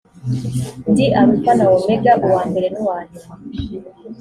ndi alufa na omega uwa mbere n’uwa nyuma